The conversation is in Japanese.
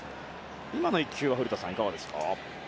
今の１球は古田さん、いかがですか。